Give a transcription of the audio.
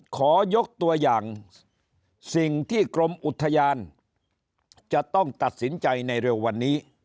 ขอยกตัวอย่างสิ่งที่กรมอุทยานจะต้องตัดสินใจในเร็ววันนี้